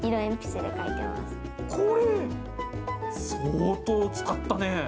相当使ったね。